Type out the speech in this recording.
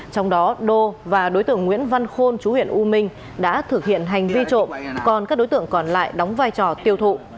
trong đó đô và đối tượng nguyễn văn khôn chú huyện u minh đã thực hiện hành vi trộm còn các đối tượng còn lại đóng vai trò tiêu thụ